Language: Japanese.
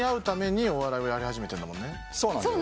そうなんだよ。